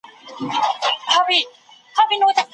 دا ليکنه د ټولني د اوسنيو حالاتو استازيتوب کوي.